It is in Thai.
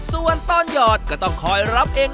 ส่วนตอนหยอดก็ต้องคอยรับเอง